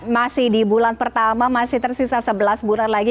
masih di bulan pertama masih tersisa sebelas bulan lagi